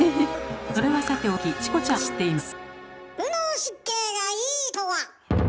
それはさておきチコちゃんは知っています。